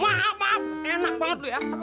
enak banget lu ya